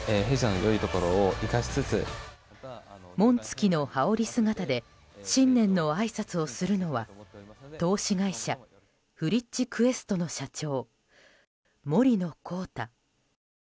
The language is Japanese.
紋付きの羽織姿で新年のあいさつをするのは投資会社フリッチクエストの社長森野広太